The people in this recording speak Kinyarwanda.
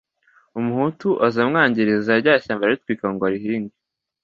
Umuhutu aza amwangiriza rya shyamba araritwika ngo arihinge